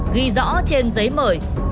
ghi rõ trên giấy mở